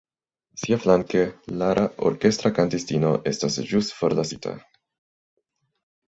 Siaflanke, Lara, orkestra kantistino, estas ĵus forlasita.